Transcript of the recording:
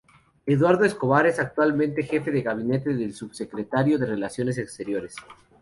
Eduardo Escobar es actualmente Jefe de Gabinete del Subsecretario de Relaciones Exteriores.